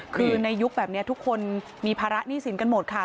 คือในยุคแบบนี้ทุกคนมีภาระหนี้สินกันหมดค่ะ